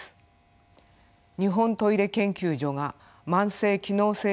日本トイレ研究所が慢性機能性